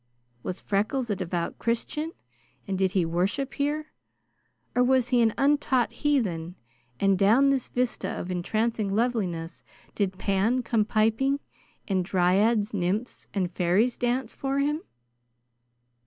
Was Freckles a devout Christian, and did he worship here? Or was he an untaught heathen, and down this vista of entrancing loveliness did Pan come piping, and dryads, nymphs, and fairies dance for him?